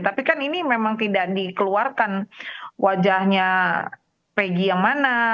tapi kan ini memang tidak dikeluarkan wajahnya peggy yang mana